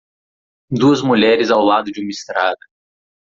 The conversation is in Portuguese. Duas mulheres ao lado de uma estrada.